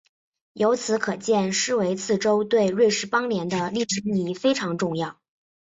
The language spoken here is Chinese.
由此可见施维茨州对瑞士邦联的历史意义非常重要。